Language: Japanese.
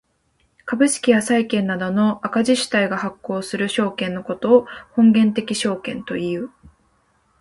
株式や債券などの赤字主体が発行する証券のことを本源的証券という。